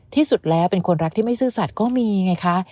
ที่สุดแล้วเป็นคนรักที่ไม่ซื่อสัตว์ก็มีไงคะ